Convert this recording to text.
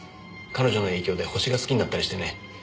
彼女の影響で星が好きになったりしてね。